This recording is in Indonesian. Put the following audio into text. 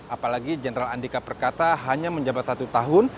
apalagi jenderal andika perkasa hanya menjabat satu tahun